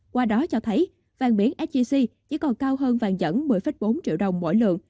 qua đó cho thấy vàng miếng sgc chỉ còn cao hơn vàng nhẫn một mươi bốn triệu đồng mỗi lượng